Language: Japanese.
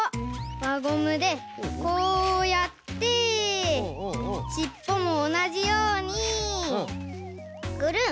わゴムでこうやってしっぽもおなじようにグルン。